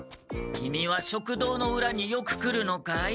キミは食堂のうらによく来るのかい？